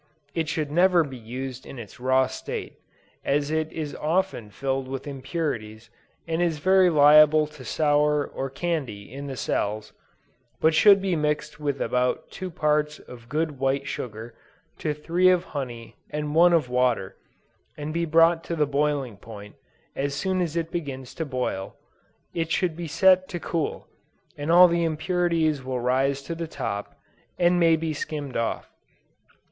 It should never be used in its raw state, as it is often filled with impurities, and is very liable to sour or candy in the cells, but should be mixed with about two parts of good white sugar, to three of honey and one of water, and brought to the boiling point; as soon as it begins to boil, it should be set to cool, and all the impurities will rise to the top, and may be skimmed off.